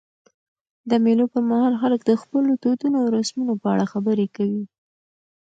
د مېلو پر مهال خلک د خپلو دودونو او رسمونو په اړه خبري کوي.